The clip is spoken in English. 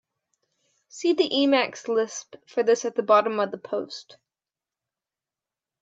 See the Emacs lisp for this at the bottom of the post.